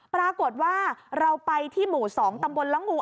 ปรากฏว่าเราไปที่หมู่๒ตำบลละงู